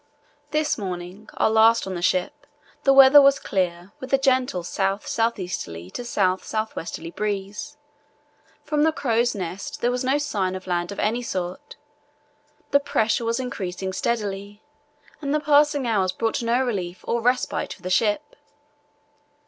"This morning, our last on the ship, the weather was clear, with a gentle south south easterly to south south westerly breeze. From the crow's nest there was no sign of land of any sort. The pressure was increasing steadily, and the passing hours brought no relief or respite for the ship.